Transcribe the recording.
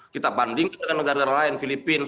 kita bandingkan dengan negara lain filipina